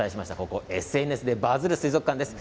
ここ、ＳＮＳでバズる水族館です。